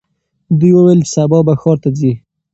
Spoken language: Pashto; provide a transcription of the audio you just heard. دوی وویل چې سبا به ښار ته ځي.